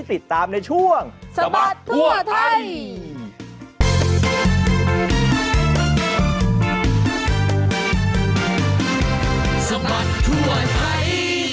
ติดตามในช่วงสบัดทั่วไทย